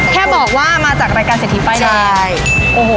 แค่บอกว่ามาจากรายการเศรษฐีป้ายแดงโอ้โห